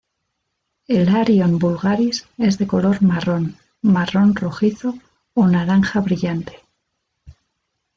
El "Arion vulgaris" es de color marrón, marrón-rojizo o naranja brillante.